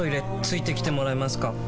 付いてきてもらえますか？